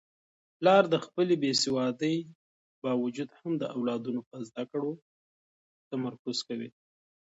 پلار د خپلې بې سوادۍ باوجود هم د اولادونو په زده کړو تمرکز کوي.